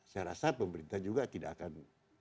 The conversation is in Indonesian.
saya rasa pemerintah juga tidak akan